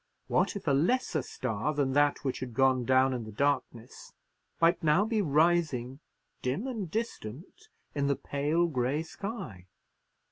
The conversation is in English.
What if a lesser star than that which had gone down in the darkness might now be rising dim and distant in the pale grey sky?